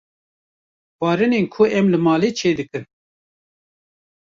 Xwarinên ku em li malê çê dikin